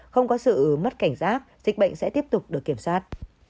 không có sự mất cảnh giác dịch bệnh sẽ tiếp tục được kiểm soát